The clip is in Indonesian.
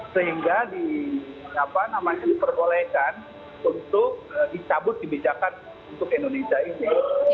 sehingga di apa namanya diperbolehkan untuk dicabut dibijakan untuk indonesia ini